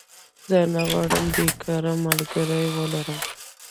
زه نه غواړم بيکاره ملګری ولرم